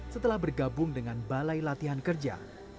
setelah bergabung dengan balai latihan kerja